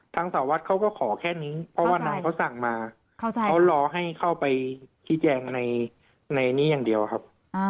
สาววัดเขาก็ขอแค่นี้เพราะว่านายเขาสั่งมาเขารอให้เข้าไปชี้แจงในนี้อย่างเดียวครับ